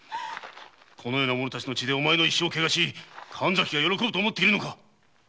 このような者たちの血でお前の一生を汚し神崎が喜ぶと思っているのか！